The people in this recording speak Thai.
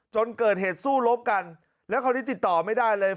จนเกิดเหตุสู้รบกันแล้วคราวนี้ติดต่อไม่ได้เลย